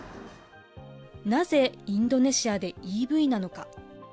なぜ、インドネシアでＥＶなのか。